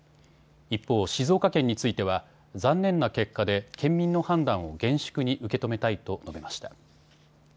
一方、静岡県については残念な結果で県民の判断を厳粛に受け止めたいと述べました。